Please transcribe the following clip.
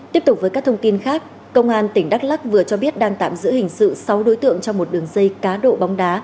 tiếp tục với các thông tin khác công an tỉnh đắk lắc vừa cho biết đang tạm giữ hình sự sáu đối tượng trong một đường dây cá độ bóng đá